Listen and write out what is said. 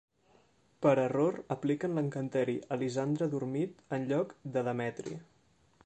Per error apliquen l'encanteri a Lisandre adormit en lloc de Demetri.